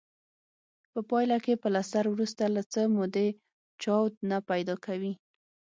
په پایله کې پلستر وروسته له څه مودې چاود نه پیدا کوي.